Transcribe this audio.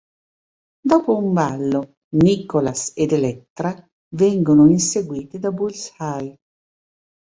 Dopo un ballo, Nikolas ed Elektra vengono inseguiti da Bullseye.